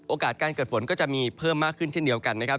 การเกิดฝนก็จะมีเพิ่มมากขึ้นเช่นเดียวกันนะครับ